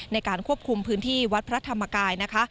ในการควบคุมพื้นที่วัดพระธรรมกายนะคะ